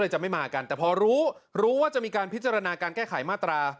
จะไม่มากันแต่พอรู้รู้ว่าจะมีการพิจารณาการแก้ไขมาตรา